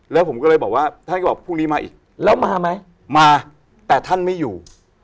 แล้วผมก็เลยบอกว่าท่านก็บอกพรุ่งนี้มาอีกแล้วมาไหมมาแต่ท่านไม่อยู่